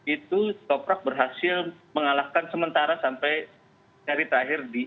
itu toprak berhasil mengalahkan sementara sampai hari terakhir di